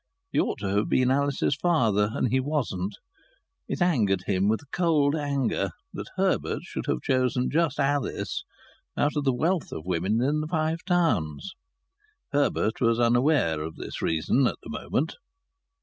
He ought to have been Alice's father, and he wasn't. It angered him, with a cold anger, that Herbert should have chosen just Alice out of the wealth of women in the Five Towns. Herbert was unaware of this reason at the moment.